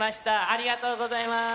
ありがとうございます。